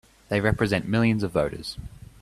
They represent millions of voters!